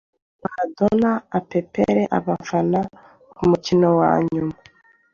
Maradona apepera abafana ku mukino wa nyuma